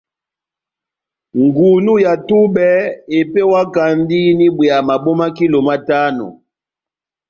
Ngunú ya tubɛ epewakandi n'ibwea mabo ma kilo matano.